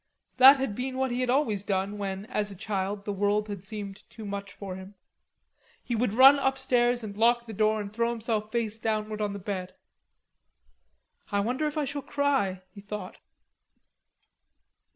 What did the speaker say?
That had been what he had always done when, as a child, the world had seemed too much for him. He would run upstairs and lock the door and throw himself face downward on the bed. "I wonder if I shall cry?" he thought.